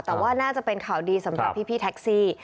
แต่ว่าน่าจะเป็นข่าวดีสำหรับพี่แท็กซี่